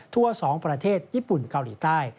ทั่ว๒ประเทศญี่ปุ่นเกาหลีใต้